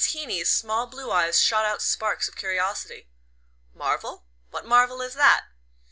Heeny's small blue eyes shot out sparks of curiosity. "Marvell what Marvell is that?"